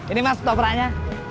ini mas topraknya